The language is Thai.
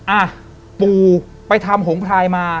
อ่ะปู่ไปทำหงพลายมา